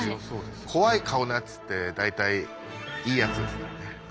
怖い顔のやつって大体いいやつですよね。